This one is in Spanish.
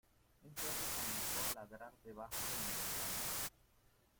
un perro comenzó a ladrar debajo de mi ventana